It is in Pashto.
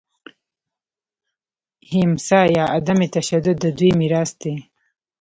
اهیمسا یا عدم تشدد د دوی میراث دی.